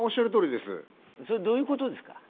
それ、どういうことですか？